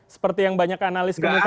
seperti yang banyak analis generasi